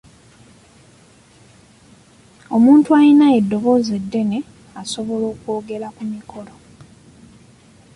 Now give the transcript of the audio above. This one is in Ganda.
Omuntu ayina eddoboozi eddene asobola okwogerera ku mikolo.